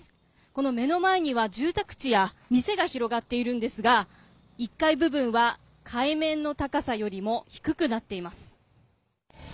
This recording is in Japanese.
この目の前には住宅地や店が広がっているんですが１階部分は海面の高さよりも低くなっています。